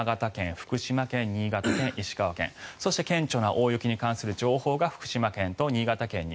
福島県新潟県、石川県そして顕著な大雪に関する情報が福島県と新潟県に。